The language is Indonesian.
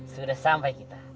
sudah sampai kita